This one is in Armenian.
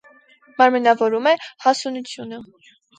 Մարմնավորում է հասունությունը։